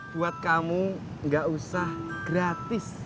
buat kamu gak usah gratis